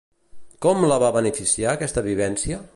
Com la va beneficiar aquesta vivència?